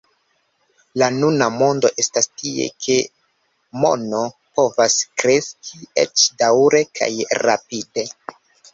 La nuna mondo estas tia ke mono povas kreski, eĉ daŭre kaj rapide.